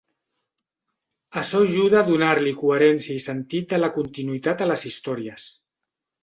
Açò ajuda a donar-li coherència i sentit de la continuïtat a les històries.